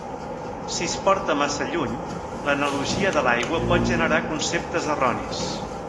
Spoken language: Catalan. Si es porta massa lluny, l'analogia de l'aigua pot generar conceptes erronis.